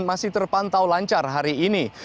masih terpantau lancar hari ini